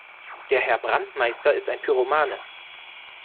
Der Herr Brandmeister ist ein Pyromane.